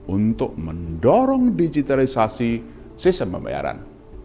untuk mendorong digitalisasi sistem pembayaran